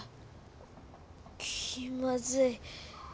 気まずい。